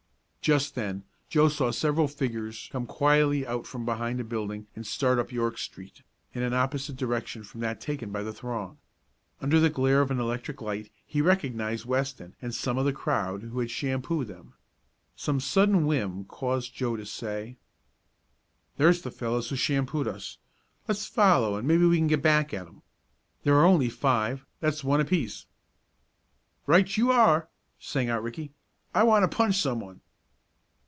Just then Joe saw several figures come quietly out from behind a building and start up York street, in an opposite direction from that taken by the throng. Under the glare of an electric light he recognized Weston and some of the crowd who had shampooed them. Some sudden whim caused Joe to say: "There's the fellows who shampooed us. Let's follow and maybe we can get back at 'em. There are only five that's one apiece." "Right you are!" sang out Ricky. "I want to punch someone."